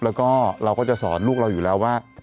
แล้วก็เราก็จะสอนลูกเราอยู่แล้วว่า